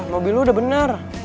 mobil lo udah bener